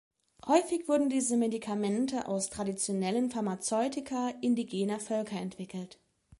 Häufig wurden diese Medikamente aus traditionellen Pharmazeutika indigener Völker entwickelt.